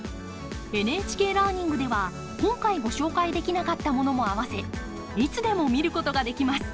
ＮＨＫラーニングでは今回ご紹介できなかったものもあわせいつでも見ることができます！